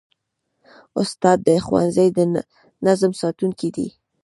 استاد د ښوونځي د نظم ساتونکی دی.